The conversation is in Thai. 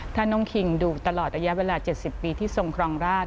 ถ้าน้องคิงดูตลอดระยะเวลา๗๐ปีที่ทรงครองราช